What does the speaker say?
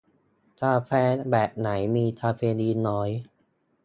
กาแฟแบบไหนมีคาเฟอีนน้อย